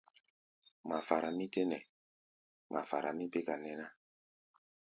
Ŋmafara mí tɛ́ nɛ, ŋmafara mí béka nɛ́ ná.